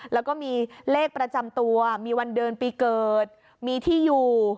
แล้วก็มีเลขประจำตัวมีวันเดือนปีเกิดมีที่อยู่